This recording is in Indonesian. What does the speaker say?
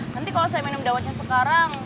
nanti kalau saya minum dawetnya sekarang